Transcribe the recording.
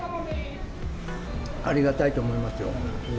ありがたいと思いますよ。